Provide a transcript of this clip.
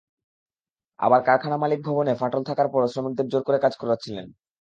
আবার কারখানা মালিক ভবনে ফাটল থাকার পরও শ্রমিকদের জোর করে কাজ করিয়েছেন।